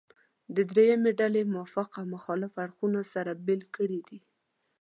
درېیمې ډلې موافق او مخالف اړخونه سره بېل کړي دي.